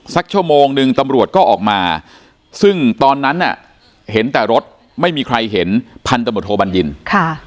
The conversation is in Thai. สักชั่วโมงนึงตำรวจก็ออกมาซึ่งตอนนั้นน่ะเห็นแต่รถไม่มีใครเห็นพันธบทโทบัญญินค่ะ